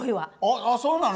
あっそうなの？